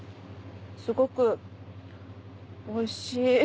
すごくおいしい。